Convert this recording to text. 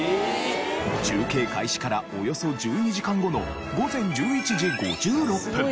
中継開始からおよそ１２時間後の午前１１時５６分